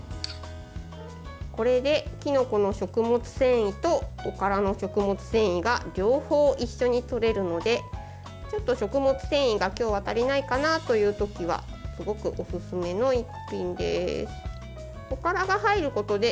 これで、きのこの食物繊維とおからの食物繊維が両方一緒にとれるのでちょっと食物繊維が今日は足りないかなという時はすごくおすすめの一品です。